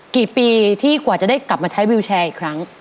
กี่ปีที่กว่าจะได้กลับมาใช้วิวแชร์อีกครั้ง